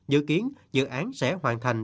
dự kiến dự án sẽ hoàn thành